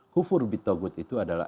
kufur bi tawud itu adalah